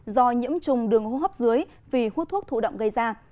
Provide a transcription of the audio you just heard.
do nhiễm trùng đường hô hấp dưới vì hút thuốc thụ động gây ra